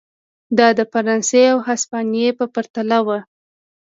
دا د فرانسې او هسپانیې په پرتله و.